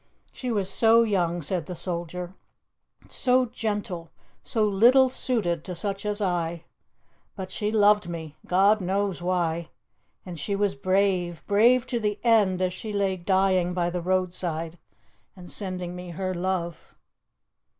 "She was so young," said the soldier, "so gentle, so little suited to such as I. But she loved me God knows why and she was brave brave to the end, as she lay dying by the roadside ... and sending me her love.